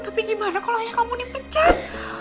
tapi gimana kalo ayah kamu nih pecah